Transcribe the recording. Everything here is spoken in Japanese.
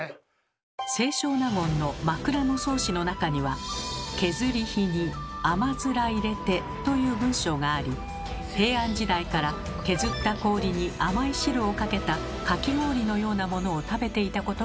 清少納言の「枕草子」の中にはという文章があり平安時代から削った氷に甘い汁をかけたかき氷のようなものを食べていたことがわかります。